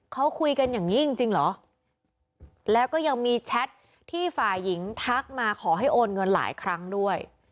เขาคุยกันอย่างนี้จริงเหรอแล้วก็ยังมีแชทที่ฝ่ายหญิงทักมาขอให้โอนเงินหลายครั้งด้วย